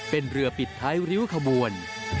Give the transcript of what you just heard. เป็นเรือปิดท้ายริ้วขบวน